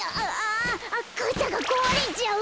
かさがこわれちゃう！